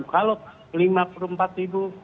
lima puluh empat ribu kalau lima puluh empat ribu